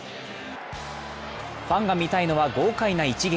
ファンが見たいのは豪快な一撃。